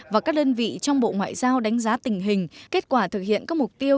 và các đơn vị trong bộ ngoại giao đánh giá tình hình kết quả thực hiện các mục tiêu